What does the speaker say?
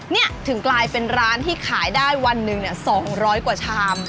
นี่ถึงกลายเป็นร้านที่ขายได้วันหนึ่ง๒๐๐กว่าชาม